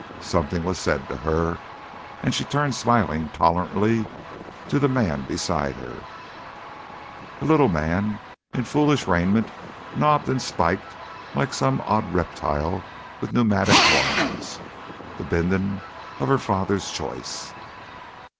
Something was said to her, and she turned smiling tolerantly to the man beside her, a little man in foolish raiment knobbed and spiked like some odd reptile with pneumatic horns the Bindon of her father's choice.